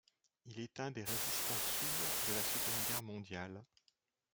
Il est un des résistants sourds de la Seconde Guerre mondiale.